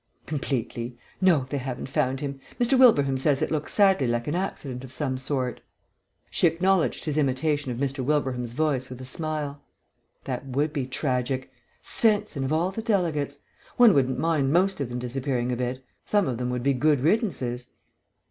"Completely. No, they haven't found him. Mr. Wilbraham says it looks sadly like an accident of some sort." She acknowledged his imitation of Mr. Wilbraham's voice with a smile. "That would be tragic. Svensen, of all the delegates! One wouldn't mind most of them disappearing a bit. Some of them would be good riddances."